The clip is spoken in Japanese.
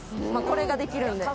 これができるんで。